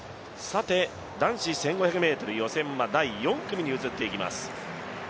男子１５００ｍ予選は第４組に移っていきます。